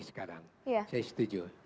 sekarang saya setuju